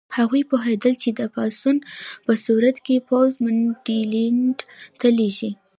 هغوی پوهېدل چې د پاڅون په صورت کې پوځ منډلینډ ته لېږي.